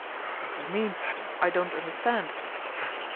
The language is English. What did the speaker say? ' What do you mean ? I don't understand."